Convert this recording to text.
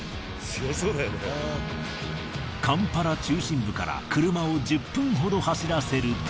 カンパラ中心部から車を１０分ほど走らせると。